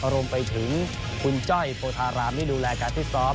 รวมไปถึงคุณจ้อยพโทรารามดูแลการที่ซ้อม